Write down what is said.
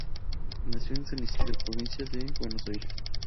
Nació en San Isidro, provincia de Buenos Aires.